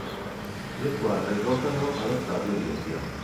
Le squadre giocano allo stadio Olimpia.